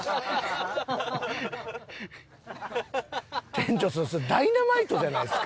店長それダイナマイトじゃないですか。